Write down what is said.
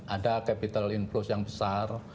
ada capital inflow yang besar